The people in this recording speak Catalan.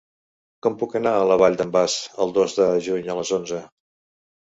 Com puc anar a la Vall d'en Bas el dos de juny a les onze?